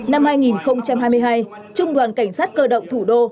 năm hai nghìn hai mươi hai trung đoàn cảnh sát cơ động thủ đô